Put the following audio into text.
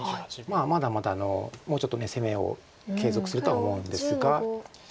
まだまだもうちょっと攻めを継続するとは思うんですが。